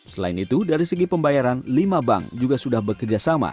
selain itu dari segi pembayaran lima bank juga sudah bekerja sama